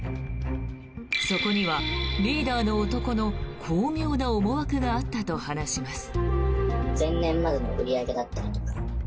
そこにはリーダーの男の巧妙な思惑があったと話します。